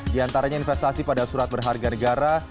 diantaranya investasi pada surat berharga negara